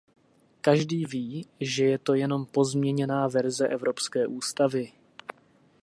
Každý ví, že je to jenom pozměněná verze Evropské ústavy.